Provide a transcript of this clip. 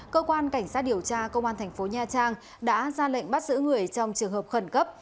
cơ quan cảnh sát điều tra công an thành phố nha trang đã ra lệnh bắt giữ người trong trường hợp khẩn cấp